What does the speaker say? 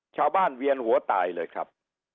ชาวบ้านเวียนหัวตายเลยครับ